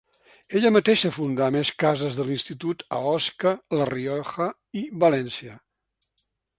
Ella mateixa fundà més cases de l'institut a Osca, la Rioja i València.